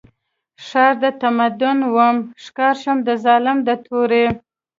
ښار د تمدن وم ښکار شوم د ظالم د تورې